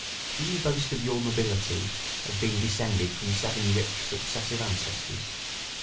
Do you boast of your nobility, as being descended from seven rich successive ancestors?